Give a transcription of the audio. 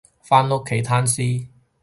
返屋企攤屍